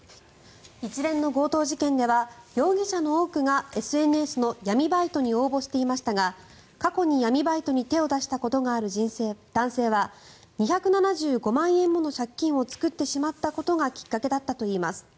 一連の強盗事件では容疑者の多くがＳＮＳの闇バイトに応募していましたが過去に闇バイトに手を出したことがある男性は２７５万円もの借金を作ってしまったことがきっかけだったといいます。